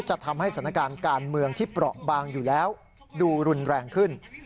จะทำให้สถานการณ์การเมืองที่เปราะบางอยู่แล้วดูรุนแรงขึ้น